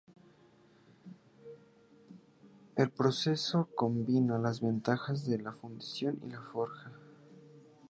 El proceso combina las ventajas de la fundición y la forja.